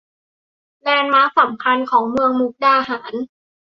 แลนด์มาร์คสำคัญของเมืองมุกดาหาร